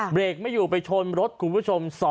เบรกไม่อยู่ไปชนรถคุณผู้ชม